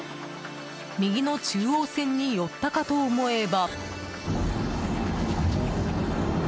右の中央線に寄ったかと思えば。